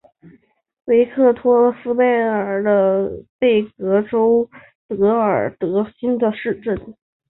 维克托斯贝格是奥地利福拉尔贝格州费尔德基希县的一个市镇。